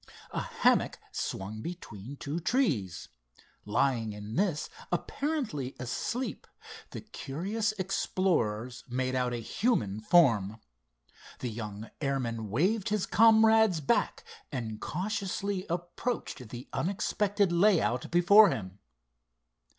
A hammock swung between two trees. Lying in this, apparently asleep, the curious explorers made out a human form. The young airman waved his comrades back and cautiously approached the unexpected layout before him.